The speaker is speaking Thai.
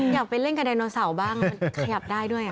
อยากไปเล่นกับไดโนเสาร์บ้างมันขยับได้ด้วย